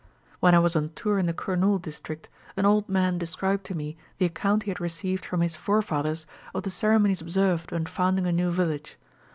When I was on tour in the Kurnool district, an old man described to me the account he had received from his 'forefathers' of the ceremonies observed when founding a new village.